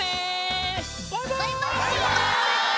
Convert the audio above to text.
バイバイ！